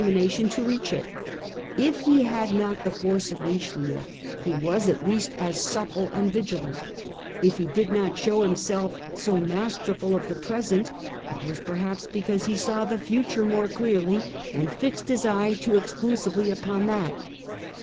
mination to reach it If he had not the force of Richelieu y he was at least as supple and vigilant ; if he did not show himself so masterful of the present, it was perhaps because he saw the future more clearly, and fixed his eye too exclusively upon that.